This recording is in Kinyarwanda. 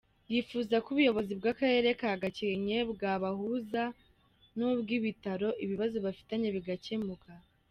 Yifuza ko Ubuyobozi bw’Akarere ka Gakenke bwabahuza n’ubw’Ibitaro ibibazo bafitanye bigakemuka.